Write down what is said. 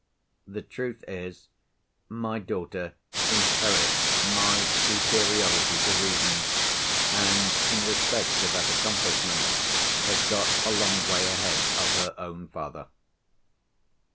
The truth is, my daughter inherits my superiority to reason—and, in respect to that accomplishment, has got a long way ahead of her own father.